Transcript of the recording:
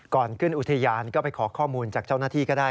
ก่อนขึ้นอุทยานก็ไปขอข้อมูลจากเจ้าหน้าที่ก็ได้